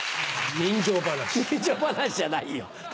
人情噺じゃないよ。